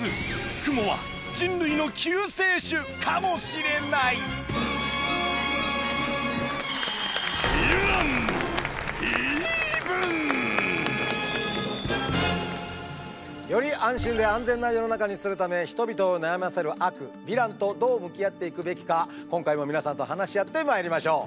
クモは人類の救世主かもしれない！より安心で安全な世の中にするため人々を悩ませる悪ヴィランとどう向き合っていくべきか今回も皆さんと話し合ってまいりましょう。